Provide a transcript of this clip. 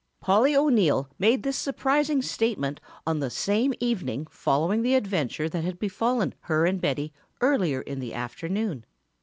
Polly O'Neill made this surprising statement on the same evening following the adventure that had befallen her and Betty earlier in the afternoon.